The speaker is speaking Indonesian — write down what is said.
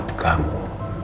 tentang kesabaran ribun